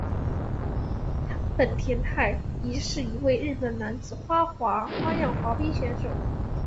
本田太一是一位日本男子花样滑冰选手。